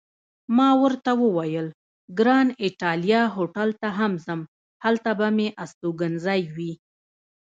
ما ورته وویل: ګران ایټالیا هوټل ته هم ځم، هلته به مې استوګنځی وي.